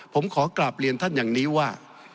ผมขอกลับเรียนท่านอย่างนี้ว่า